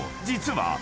実は］